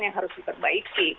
yang harus diperbaiki